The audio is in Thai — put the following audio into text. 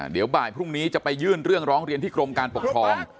เดี๋ยวบ่ายพรุ่งนี้จะไปยื่นเรื่องร้องเรียนที่กรมการปกครอง